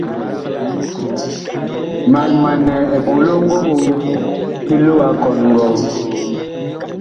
Mag manɛ eɓolo ngogoo ki loo a kɔn ngɔɔ.